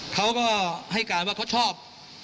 เขาก็ให้การว่าเขาชอบ